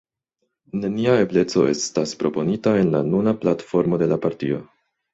Nenia ebleco estas proponita en la nuna platformo de la partio.